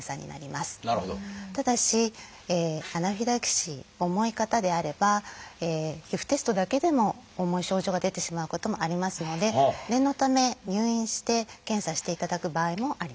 ただしアナフィラキシー重い方であれば皮膚テストだけでも重い症状が出てしまうこともありますので念のため入院して検査していただく場合もあります。